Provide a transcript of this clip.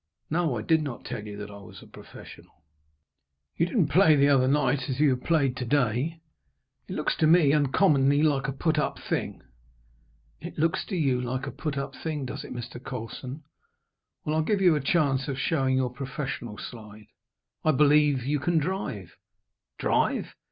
"No; I did not tell you that I was a professional." "You didn't play the other night as you have played to day. It looks to me uncommonly like a put up thing." "It looks to you like a put up thing, does it, Mr. Colson. Well, I'll give you a chance of showing your professional side. I believe you can drive?" "Drive!"